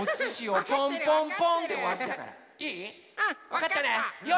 わかったね。